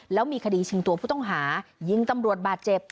แล้วมีคดีชิงตัวผู้ต้องหายิงตำรวจบาดเจ็บ